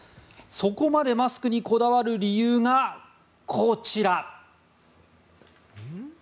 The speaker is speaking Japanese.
そこまでマスクにこだわる理由がこちら！